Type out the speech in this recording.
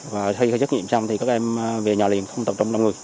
và khi xét nghiệm xong thì các em về nhà liền không tập trong năm người